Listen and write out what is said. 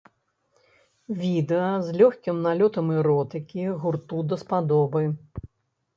Відэа з лёгкім налётам эротыкі гурту даспадобы.